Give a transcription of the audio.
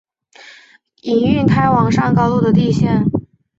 营运开往上高地的路线。